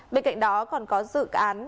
bên cạnh đó còn có dự án